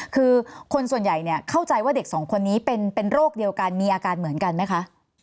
คือคนส่วนใหญ่เข้าใจว่าเด็กสองคนนี้เป็นโรคเดียวกันมีอาการเหมือนกันไหมคะ